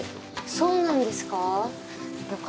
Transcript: そうなんですか？